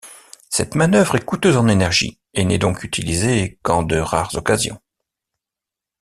Cette manœuvre est coûteuse en énergie et n'est donc utilisée qu'en de rares occasions.